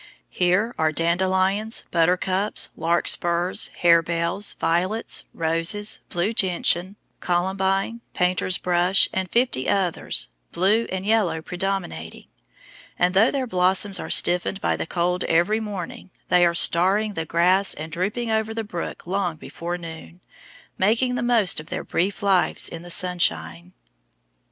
Here are dandelions, buttercups, larkspurs, harebells, violets, roses, blue gentian, columbine, painter's brush, and fifty others, blue and yellow predominating; and though their blossoms are stiffened by the cold every morning, they are starring the grass and drooping over the brook long before noon, making the most of their brief lives in the sunshine.